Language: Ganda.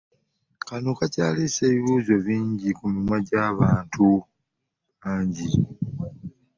Kano kakyalese ebibuuzo bingi ku mimwa gy'abantu bangi.